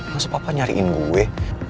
masuk papa nyariin gue